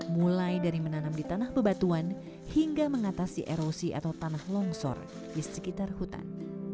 mulai dari menanam di tanah bebatuan hingga mengatasi erosi atau tanah longsor di sekitar hutan